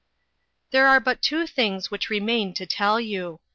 There are but two things which remain to tell you.